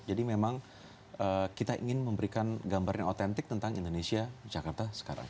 jadi memang kita ingin memberikan gambar yang otentik tentang indonesia jakarta sekarang